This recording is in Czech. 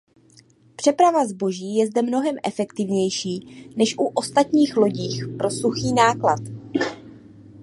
Přeprava zboží je zde mnohem efektivnější než na ostatních lodích pro suchý náklad.